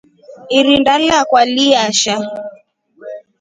Irinda lakwa liyasha.